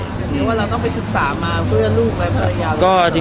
หรือว่าเราต้องไปศึกษามาเพื่อลูกและภรรยา